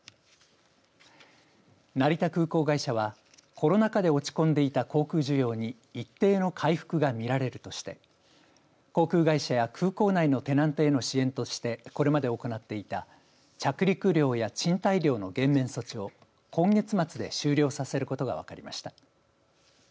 成田空港会社はコロナ禍で落ち込んでいた航空需要に一定の回復が見られるとして航空会社や空港内のテナントへの支援としてこれまで行っていた着陸料や賃貸料の減免措置を今月末で終了させることが分かりました。